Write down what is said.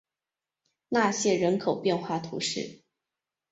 纳谢人口变化图示